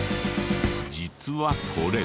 実はこれ。